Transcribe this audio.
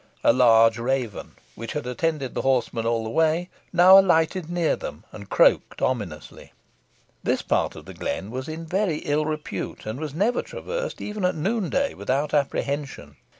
A large raven, which had attended the horsemen all the way, now alighted near them, and croaked ominously. This part of the glen was in very ill repute, and was never traversed, even at noonday, without apprehension.